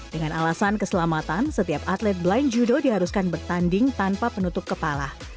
dengan alasan keselamatan setiap atlet blind judo diharuskan bertanding tanpa penutup kepala